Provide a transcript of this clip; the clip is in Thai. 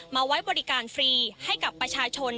ไว้บริการฟรีให้กับประชาชน